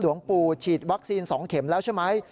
หลวงปู่ฉีดวัคซีน๒เข็มแล้วใช่ไหม